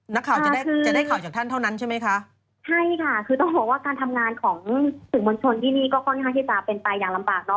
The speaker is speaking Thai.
จะได้จะได้ข่าวจากท่านเท่านั้นใช่ไหมคะใช่ค่ะคือต้องบอกว่าการทำงานของสื่อมวลชนที่นี่ก็ค่อนข้างที่จะเป็นไปอย่างลำบากเนอ